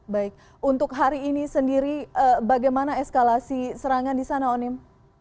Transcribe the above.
baik untuk hari ini sendiri bagaimana eskalasi serangan di sana onim